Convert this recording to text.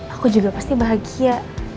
aku juga pasti bahagia